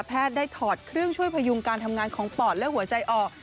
ได้ถอดเครื่องช่วยพยุงการทำงานของปอดและหัวใจออก